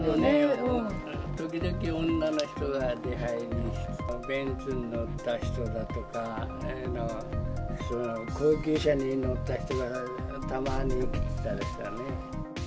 時々女の人が出入り、ベンツに乗った人だとか、そういうような高級車に乗った人らがたまに来てたりしてね。